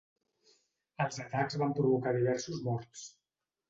Els atacs van provocar diversos morts.